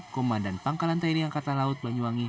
komandan pangkalantai nyangkata laut banyuwangi